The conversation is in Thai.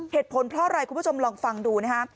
เหตุผลเพราะอะไรคุณผู้ชมลองฟังดูนะฮะ